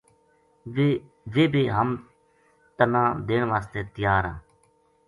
ویہ بے ہم تَنا دین واسطے تیار